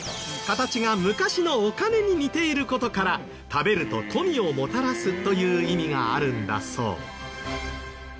形が昔のお金に似ている事から食べると富をもたらすという意味があるんだそう。